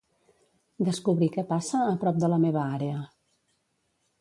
Descobrir què passa a prop de la meva àrea.